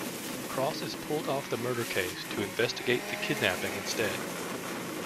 Cross is pulled off the murder case to investigate the kidnapping instead.